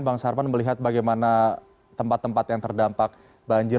bang sarman melihat bagaimana tempat tempat yang terdampak banjir